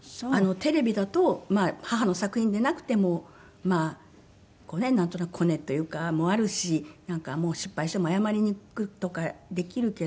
テレビだと母の作品でなくてもなんとなくコネというかもあるし失敗しても謝りに行くとかできるけど。